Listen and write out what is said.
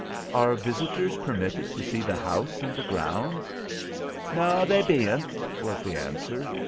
"Are visitors permitted to see the house and the grounds?" "No, they be'ant," was the answer.